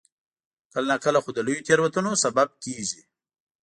کله ناکله خو د لویو تېروتنو سبب کېږي.